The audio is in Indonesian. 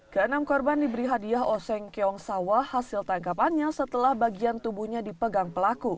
keenam korban diberi hadiah oseng keongsawa hasil tangkapannya setelah bagian tubuhnya dipegang